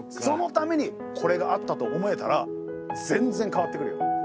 そのためにこれがあったと思えたら全然変わってくるよ。